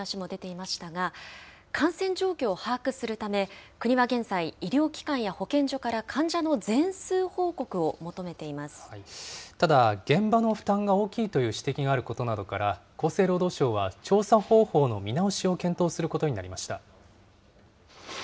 今、中継で検査という話も出ていましたが、感染状況を把握するため、国は現在、医療機関や保健所から患者の全数報告を求めてただ現場の負担が大きいという指摘があることなどから、厚生労働省は調査方法の見直しを検討